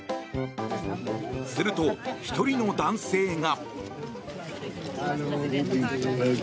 すると１人の男性が。